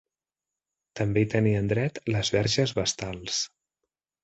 També hi tenien dret les verges vestals.